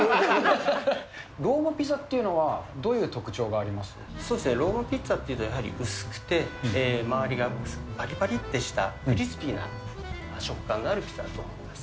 ローマピザというのは、どういうローマピッツァっていうと、やはり薄くて、周りがぱりぱりってしたクリスピーな食感があるピザだと思います。